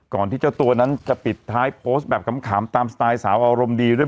ที่เจ้าตัวนั้นจะปิดท้ายโพสต์แบบขำตามสไตล์สาวอารมณ์ดีด้วย